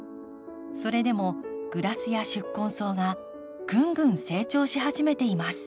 それでもグラスや宿根草がぐんぐん成長し始めています。